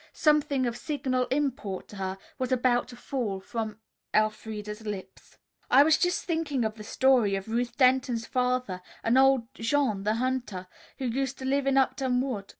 Something of signal import to her was about to fall from Elfreda's lips. "I was just thinking of the story of Ruth Denton's father and old Jean, the hunter, who used to live in Upton Wood.